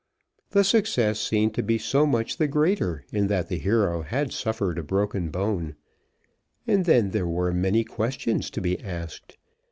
The success seemed to be so much the greater in that the hero had suffered a broken bone. And then there were many questions to be asked?